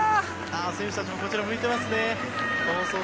選手たちもこちらを向いていますね。